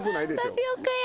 タピオカや。